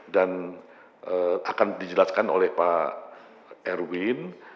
dan akan dijelaskan oleh pak erwin